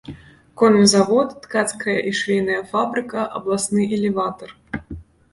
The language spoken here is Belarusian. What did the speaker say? Конны завод, ткацкая і швейная фабрыка, абласны элеватар.